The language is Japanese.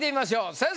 先生！